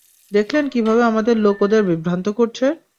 দেখলেন কীভাবে আমাদের লোক ওদের বিভ্রান্ত করছে?